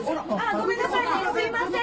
ごめんなさいねすみません。